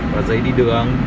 và giấy đi đường